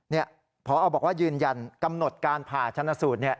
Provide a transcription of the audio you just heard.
นี่พอบอกว่ายืนยันกำหนดการผ่าชนะสูตร